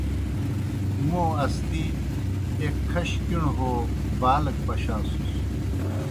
موْ اسدی ایْک کھش کِݨوْ ہو بالک پشاسُس۔